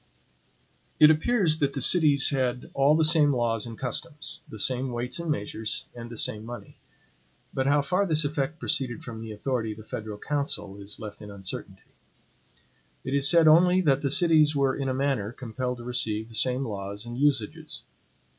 It appears that the cities had all the same laws and customs, the same weights and measures, and the same money. But how far this effect proceeded from the authority of the federal council is left in uncertainty. It is said only that the cities were in a manner compelled to receive the same laws and usages.